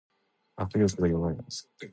握力が弱い